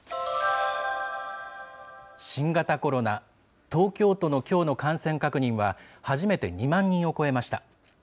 新型コロナ、東京都のきょうの感染確認は、初めて２万人を超えました。